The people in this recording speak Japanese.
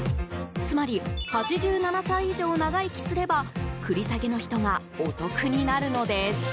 つまり、８７歳以上長生きすれば繰り下げの人がお得になるのです。